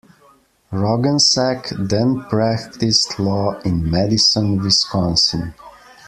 Roggensack then practiced law in Madison, Wisconsin.